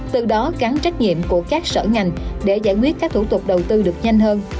từ đó gắn trách nhiệm của các sở ngành để giải quyết các thủ tục đầu tư được nhanh hơn